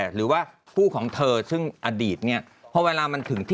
หรือว่าคู่ของเธอซึ่งอดีต